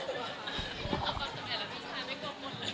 สุดท้ายชาว๓๕